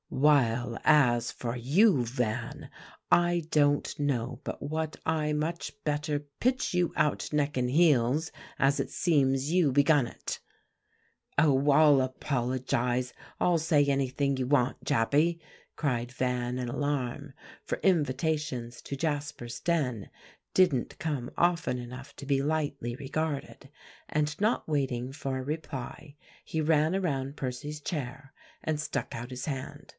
While as for you, Van, I don't know but what I much better pitch you out neck and heels, as it seems you begun it." "Oh! I'll apologize; I'll say anything you want, Jappy," cried Van in alarm; for invitations to Jasper's den didn't come often enough to be lightly regarded; and not waiting for a reply, he ran around Percy's chair, and stuck out his hand.